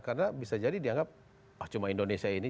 karena bisa jadi dianggap cuma indonesia ini